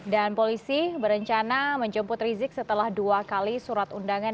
dan polisi berencana menjemput rizik setelah dua kali surat undangan